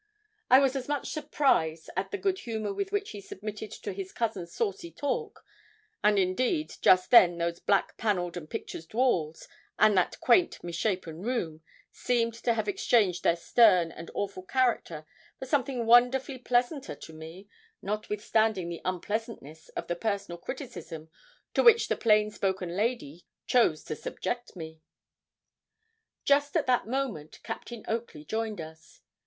I was as much surprised at the good humour with which he submitted to his cousin's saucy talk; and, indeed, just then those black panelled and pictured walls, and that quaint, misshapen room, seemed to have exchanged their stern and awful character for something wonderfully pleasanter to me, notwithstanding the unpleasantness of the personal criticism to which the plain spoken lady chose to subject me. Just at that moment Captain Oakley joined us.